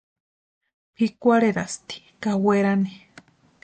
Pʼikwarherasti ka werani.